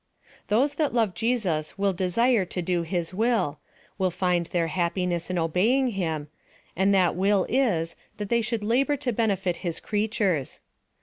Those that love Jesus will desire to do his will — will find their happiness in obeying him — and thai will is, that they should labor to benefit his crea tures.